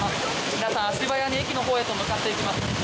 皆さん、足早に駅のほうへと向かっていきます。